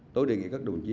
tôi đề nghị các đồng chí